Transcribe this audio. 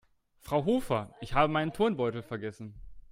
Frau Hofer, ich habe meinen Turnbeutel vergessen.